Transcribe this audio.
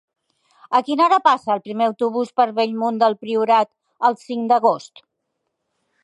A quina hora passa el primer autobús per Bellmunt del Priorat el cinc d'agost?